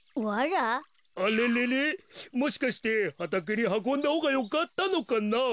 もしかしてはたけにはこんだほうがよかったのかな。